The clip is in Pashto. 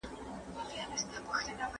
په کورنۍ کې بې عدالتي نه کېږي.